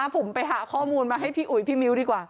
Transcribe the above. ผมไปหาข้อมูลมาให้พี่อุ๋ยพี่มิ้วดีกว่า